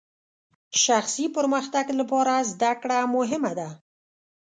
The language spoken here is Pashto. شخصي پرمختګ لپاره زدهکړه مهمه ده.